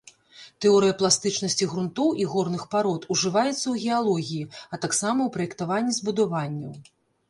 Тэорыя пластычнасці грунтоў і горных парод ужываецца ў геалогіі, а таксама ў праектаванні збудаванняў.